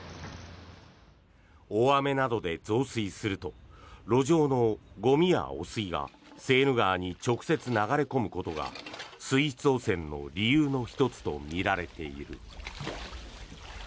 大雨などで増水すると路上のゴミや汚水がセーヌ川に直接流れ込むことが水質汚染の理由の１つとみられている。